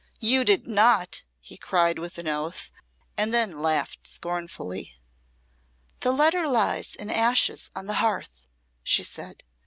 "You did not," he cried, with an oath, and then laughed scornfully. "The letter lies in ashes on the hearth," she said.